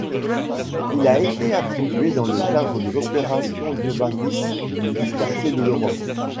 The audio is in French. Il a été attribué dans le cadre de l'opération d'urbanisme du quartier de l'Europe.